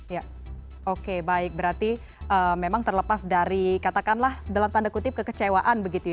ya oke baik berarti memang terlepas dari katakanlah dalam tanda kutip kekecewaan begitu ya